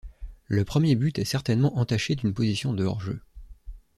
Le premier but est certainement entaché d'une position de hors-jeu.